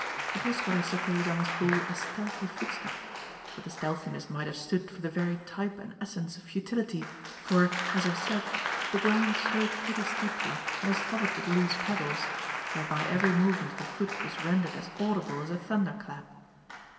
It was what I suppose I must call a stealthy footstep, but the stealthiness might have stood for the very type and essence of futility, for, as I have said, the ground sloped pretty steeply and was covered with loose pebbles, whereby every movement of the foot was rendered as audible as a thunderclap.